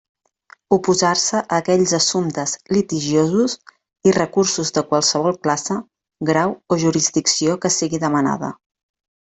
Oposar-se a aquells assumptes litigiosos i recursos de qualsevol classe, grau o jurisdicció que sigui demanada.